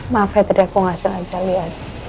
maaf ya tadi aku gak sengaja liat